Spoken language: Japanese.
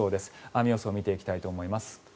雨予想を見ていきたいと思います。